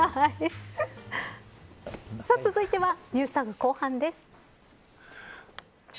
さあ、続いてはＮｅｗｓＴａｇ後半です。